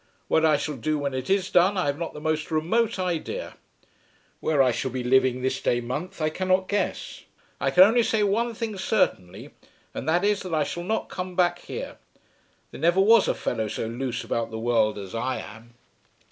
What I shall do when it is done, I have not the most remote idea. Where I shall be living this day month I cannot guess. I can only say one thing certainly, and that is that I shall not come back here. There never was a fellow so loose about the world as I am."